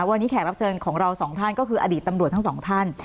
วันนี้แขกรับเชิญของเราสองท่านก็คืออดีตตำรวจทั้งสองท่าน